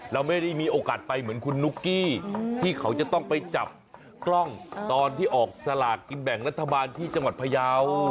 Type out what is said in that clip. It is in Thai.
เราไม่ได้มีโอกาสไปเหมือนคุณนุ๊กกี้ที่เขาจะต้องไปจับกล้องตอนที่ออกสลากกินแบ่งรัฐบาลที่จังหวัดพยาว